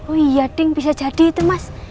oh iya ding bisa jadi itu mas